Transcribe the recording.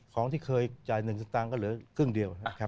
ของที่เคยจ่าย๑สตางค์ก็เหลือครึ่งเดียวนะครับ